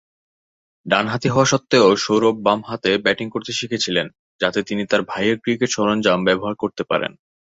ডানহাতি হওয়া সত্ত্বেও সৌরভ বাম হাতে ব্যাটিং করতে শিখেছিলেন যাতে তিনি তাঁর ভাইয়ের ক্রিকেট সরঞ্জাম ব্যবহার করতে পারেন।